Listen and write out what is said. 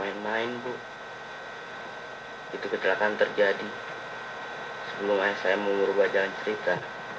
main main bu itu kecelakaan terjadi sebelum ayah saya mengurubah jalan cerita